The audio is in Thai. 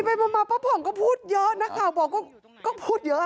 ไปมาป้าผ่องก็พูดเยอะนักข่าวบอกก็พูดเยอะ